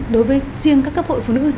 đối với riêng các cấp hội phụ nữ